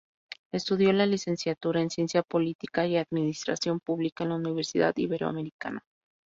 Estudió la Licenciatura en Ciencia Política y Administración Publica en la Universidad Iberoamericana.